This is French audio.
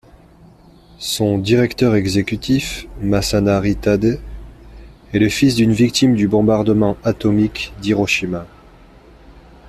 Son directeur exécutif, Masanari Tade, est le fils d'une victime du bombardement atomique d'Hiroshima.